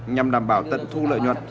nhằm đảm bảo tận thu lợi nhuận